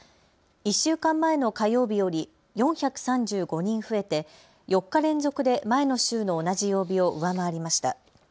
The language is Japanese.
１週間前の火曜日より４３５人増えて４日連続で前の週の同じ曜日を上回りました。